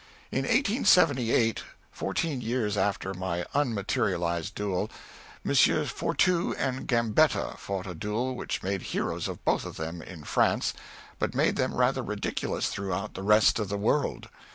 [Sidenote: (1878.)] In 1878, fourteen years after my unmaterialized duel, Messieurs Fortu and Gambetta fought a duel which made heroes of both of them in France, but made them rather ridiculous throughout the rest of the world.